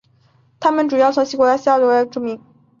他们主要是从古希腊作家希罗多德的着作闻名。